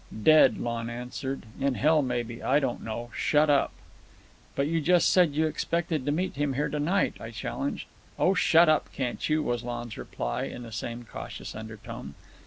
"Dead," Lon answered. "In hell, maybe. I don't know. Shut up." "But you just said that you expected to meet him here to night," I challenged. "Oh, shut up, can't you," was Lon's reply, in the same cautious undertone.